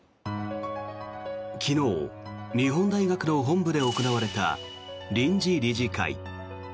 昨日、日本大学の本部で行われた臨時理事会。